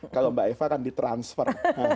kalau mbak eva akan di transfer